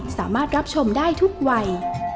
สามารถรับชมได้ทุกวัย